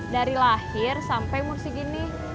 dari lahir sampai mursi gini